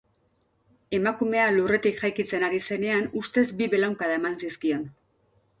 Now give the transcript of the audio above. Emakumea lurretik jaikitzen ari zenean ustez bi belaunkada eman zizkion.